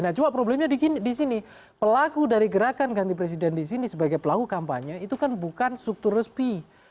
nah cuma problemnya disini pelaku dari gerakan ganti presiden disini sebagai pelaku kampanye itu kan bukan struktur respi